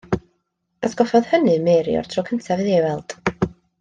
Atgoffodd hynny Mary o'r tro cyntaf iddi ei weld.